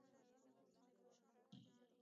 د روبوټونو پرمختګ د ټکنالوژۍ یو ستر بدلون دی.